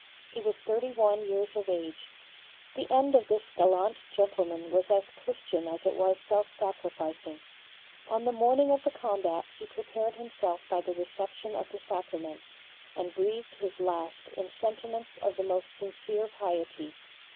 He was thirty one years of age. The end of this gallant gentleman was as Christian as it was self sacrificing. On the morning of the combat he prepared himself by the reception of the Sacraments, and breathed his last in sentiments of the most sincere piety.